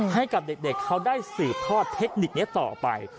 ให้กับเด็กเขาได้สืบทอดเทคนิคนี้ต่อไป